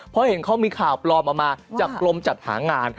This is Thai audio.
เพราะเห็นเขามีข่าวปลอมออกมาจากกรมจัดหางาน